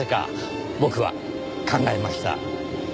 僕は考えました。